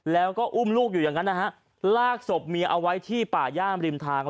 แล้วก็อุ้มลูกอยู่อย่างนั้นนะฮะลากศพเมียเอาไว้ที่ป่าย่ามริมทาง